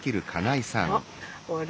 あれ？